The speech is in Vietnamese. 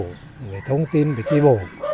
người thông tin về chí bổ